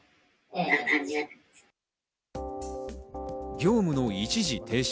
業務の一時停止。